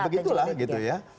ya begitulah gitu ya